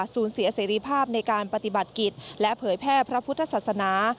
เสียเสรีภาพในการปฏิบัติกิจและเผยแพร่พระพุทธศาสนา